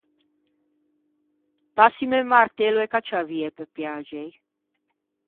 Passime martello e cacciavie, pe piaxei.